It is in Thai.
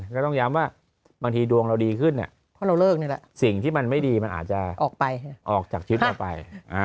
ก็ต้องย้ำว่าบางทีดวงเราดีขึ้นสิ่งที่มันไม่ดีมันอาจจะออกจากชีวิตเราไป